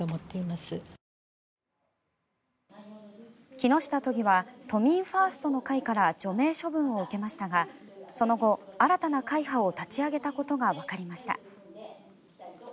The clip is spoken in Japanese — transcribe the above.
木下都議は都民ファーストの会から除名処分を受けましたがその後、新たな会派を立ち上げたことがわかりました。